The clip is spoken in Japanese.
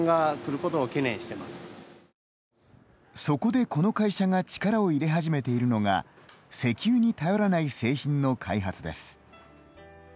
そこで、この会社が力を入れ始めているのが石油に頼らない製品の開発です。